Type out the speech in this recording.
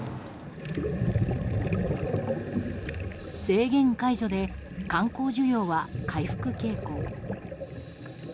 制限解除で観光需要は回復傾向。